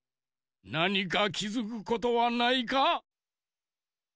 なにかきづくことはないか？